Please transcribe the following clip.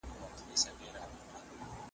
په پرون پسي چي نن راغی سبا سته .